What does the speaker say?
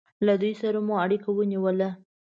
له دوی سره مو اړیکه ونیوله.